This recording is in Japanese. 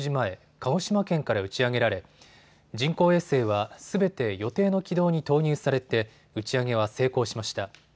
鹿児島県から打ち上げられ人工衛星はすべて予定の軌道に投入されて打ち上げは成功しました。